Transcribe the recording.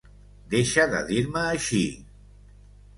Deixa de dir-me així!